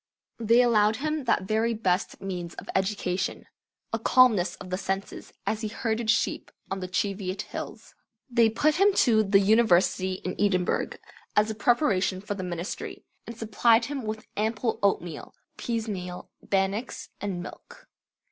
They allowed him that very best means of education, a calmness of the senses, as he herded sheep on the Cheviot Hills. They put him to the University in Edinburgh, as a preparation for the ministry, and supplied him with ample oatmeal, peasemeal bannocks, and milk.